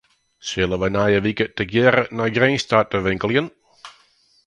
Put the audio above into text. Sille wy nije wike tegearre nei Grins ta te winkeljen?